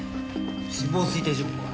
死亡推定時刻は？